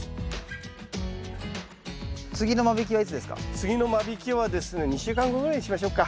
次の間引きはですね２週間後ぐらいにしましょうか。